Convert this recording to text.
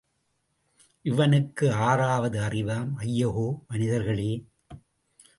இவனுக்கு ஆறாவது அறிவாம் ஐயகோ, மனிதர்களே!